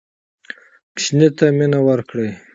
ماشوم ته مینه ورکړه.